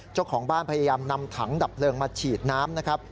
เจ้าของบ้านพยายามนำถังดับเพลิงมาฉีดน้ำนะครับ